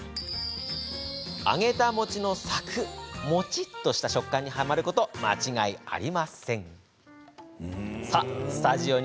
揚げた餅のサクッ、もちっとした食感にはまること間違いなしですよ。